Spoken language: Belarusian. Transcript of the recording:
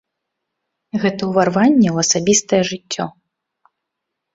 Гэта ўварванне ў асабістае жыццё.